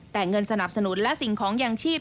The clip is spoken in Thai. แต่เงินสนับสนุนและสิ่งของยังชีพ